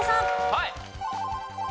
はい。